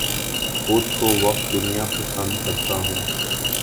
خود کو وقت دنیا پسند کرتا ہوں